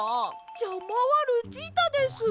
じゃまはルチータです！